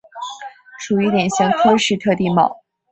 属于典型喀斯特地貌。